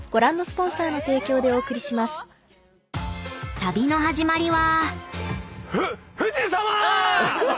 ［旅の始まりは］